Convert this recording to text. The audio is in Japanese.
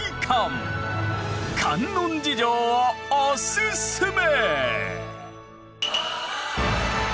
観音寺城をおすすめ！